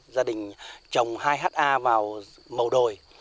gia đình trồng hai ha vào màu đồi